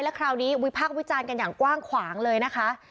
คราวนี้วิพากษ์วิจารณ์กันอย่างกว้างขวางเลยนะคะ